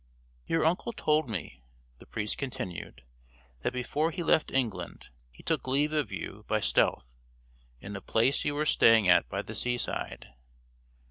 "Your uncle told me," the priest continued, "that before he left England he took leave of you by stealth, in a place you were staying at by the sea side.